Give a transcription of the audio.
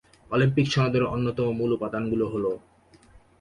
Olympic সনদের অন্যতম মূল উপাদানগুলো হলঃ